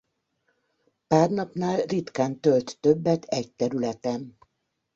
Pár napnál ritkán tölt többet egy területen.